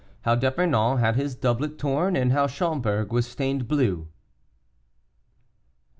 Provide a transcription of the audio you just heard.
HOW D'EPERNON HAD HIS DOUBLET TORN, AND HOW CHOMBERG WAS STAINED BLUE. While M.